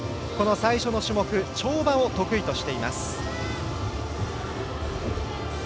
最初の種目、跳馬を得意としています。